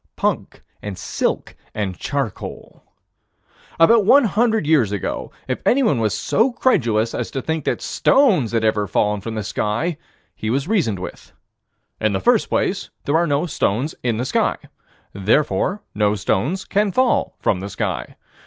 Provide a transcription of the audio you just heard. Punk and silk and charcoal. About one hundred years ago, if anyone was so credulous as to think that stones had ever fallen from the sky, he was reasoned with: In the first place there are no stones in the sky: Therefore no stones can fall from the sky.